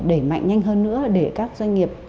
đẩy mạnh nhanh hơn nữa để các doanh nghiệp